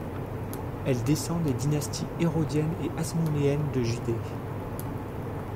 Elle descend des dynasties hérodienne et hasmonéenne de Judée.